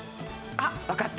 あっわかった。